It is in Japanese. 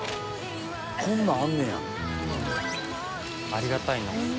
ありがたいな。